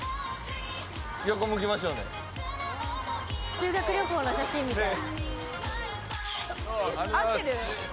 修学旅行の写真みたい。